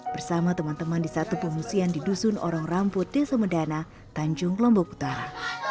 bersama teman teman di satu pengungsian di dusun orang ramput desa medana tanjung lombok utara